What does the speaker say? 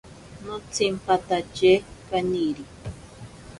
Notsimpatatye kaniri.